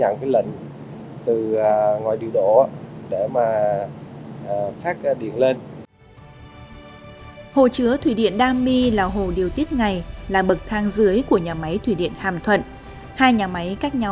hai nhà máy khác nhau là hồ điều tiết ngày là bực thang dưới của nhà máy thủy điện hàm thuận